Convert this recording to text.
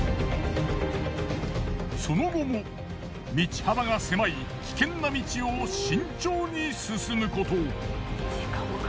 その後も道幅が狭い危険な道を慎重に進むこと。